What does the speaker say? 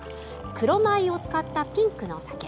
黒米を使ったピンクのお酒。